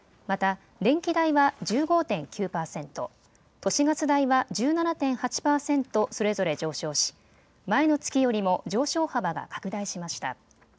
また、電気代は１５．９％都市ガス代は１７．８％それぞれ上昇し前の月よりも上昇幅が拡大しました。